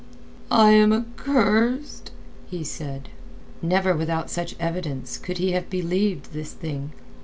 "I am accursed!" he said. Never without such evidence could he have believed this thing.